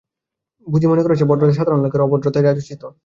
বুঝি মনে করেছে ভদ্রতা সাধারণ লোকের, অভদ্রতাই রাজোচিত।